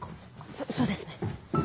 そそうですね。